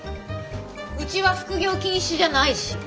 うちは副業禁止じゃないし。